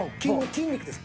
筋肉です